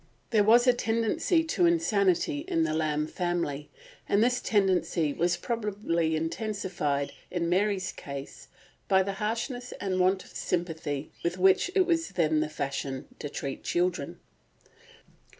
There was a tendency to insanity in the Lamb family, and this tendency was probably intensified in Mary's case by the harshness and want of sympathy with which it was then the fashion to treat children.